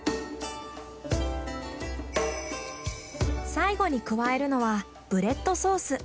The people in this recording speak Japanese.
最後に加えるのはブレッドソース。